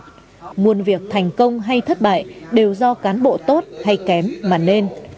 nhưng nguồn việc thành công hay thất bại đều do cán bộ tốt hay kém mà nên